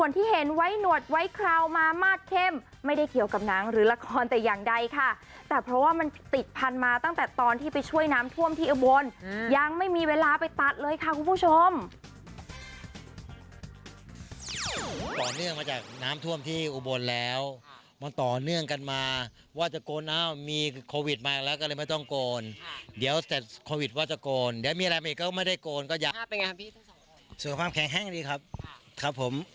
ตั้งแต่อย่างใดค่ะแต่เพราะว่ามันติดพันธุ์มาตั้งแต่ตอนที่ไปช่วยน้ำท่วมที่อุบลยังไม่มีเวลาไปตัดเลยค่ะคุณผู้ชมต่อเนื่องมาจากน้ำท่วมที่อุบลแล้วต่อเนื่องกันมาว่าจะโกนอ้าวมีโควิดมาแล้วก็เลยไม่ต้องโกนเดี๋ยวแต่โควิดว่าจะโกนเดี๋ยวมีอะไรอีกก็ไม่ได้โกนสุขภาพแข็งแห้งดีครับครับผม